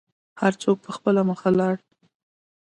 هر څوک په خپله مخه ولاړل.